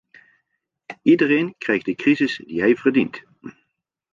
Iedereen krijgt de crisis die hij verdient.